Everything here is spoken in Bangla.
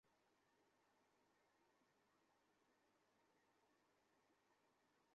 তখন পশ্চিম পাশের আরেকটি কক্ষে অন্য একটি কোচিং সেন্টারের ক্লাস নেওয়া হচ্ছে।